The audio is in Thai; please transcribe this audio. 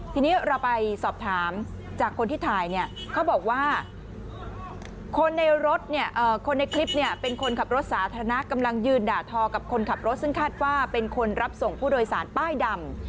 ทีนี้เราไปสอบถามจากคนที่ถ่ายเนี่ยเขาบอกว่าคนในรถเนี่ยคนในคลิปเนี่ยเป็นคนขับรถสาธารณะกำลังยืนด่าทอกับคนขับรถซึ่งคาดว่าเป็นคนรับส่งผู้โดยสารป้ายดำ